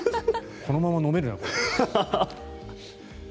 このまま飲めるな。